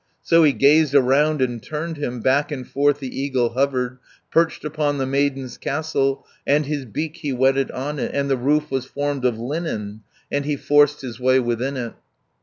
"So he gazed around and turned him, Back and forth the eagle hovered, Perched upon the maidens' castle, And his beak he whetted on it, 380 And the roof was formed of linen, And he forced his way within it.